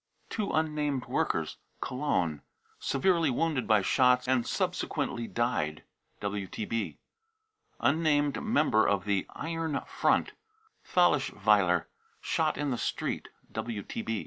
two unnamed workers, Cologne, severely wounded by shots and subsequently died. (WTB.) unnamed member of the 44 iron front," Thalesschweiler, shot in the street.